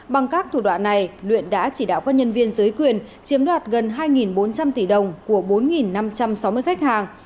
bằng các thủ đoạn này luyện đã chỉ đạo các nhân viên giới quyền chiếm đoạt gần hai bốn trăm linh tỷ đồng của bốn năm trăm sáu mươi khách hàng